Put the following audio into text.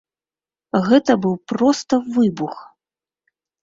Гэта быў проста выбух!